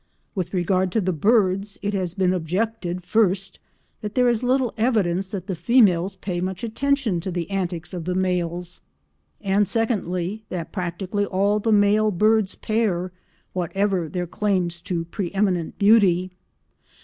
With regard to the birds it has been objected, first, that there is little evidence that the females pay much attention to the antics of the males, and secondly, that practically all the male birds pair, whatever their claims to pre eminent beauty.